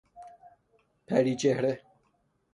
پری چهره